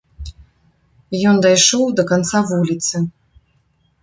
Ён дайшоў да канца вуліцы.